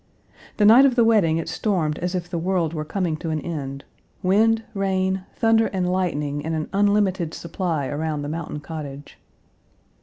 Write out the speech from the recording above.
The night of the wedding it stormed as if the world were coming to an end wind, rain, thunder, and lightning in an unlimited supply around the mountain cottage.